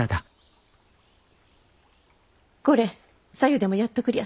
これさ湯でもやっとくりゃ。